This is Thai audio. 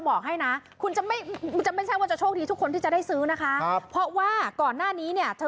พี่มองส้มพี่หยัดซื้อนาน